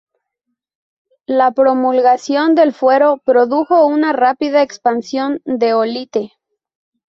La promulgación del Fuero produjo una rápida expansión de Olite.